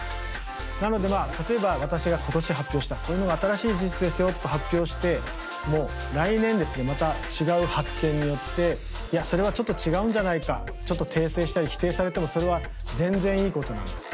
なのでまあ例えば私が今年発表したこういうのが新しい事実ですよと発表しても来年ですねまた違う発見によっていやそれはちょっと違うんじゃないかちょっと訂正したり否定されてもそれは全然いいことなんです。